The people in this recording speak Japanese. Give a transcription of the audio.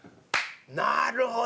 「なるほど！